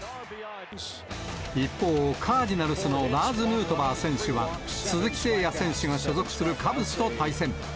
一方、カージナルスのラーズ・ヌートバー選手は、鈴木誠也選手が所属するカブスと対戦。